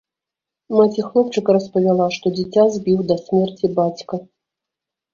Маці хлопчыка распавяла, што дзіця збіў да смерці бацька.